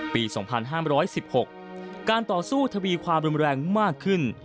ปี๒๕๑๖การต่อสู้ทวีความรุนแรงมากขึ้น